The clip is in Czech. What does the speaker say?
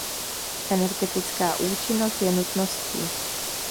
Energetická účinnost je nutností.